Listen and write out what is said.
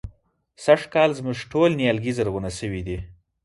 سږکال زموږ ټول نيالګي زرغونه شوي دي.